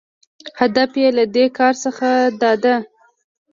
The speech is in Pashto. هدف یې له دې کاره څخه داده